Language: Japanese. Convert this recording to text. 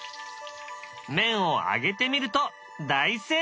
麺を揚げてみると大成功。